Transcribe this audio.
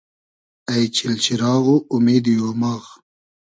اݷ چیل چیراغ و اومیدی اۉماغ